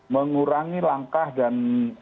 mengurangi langkah dan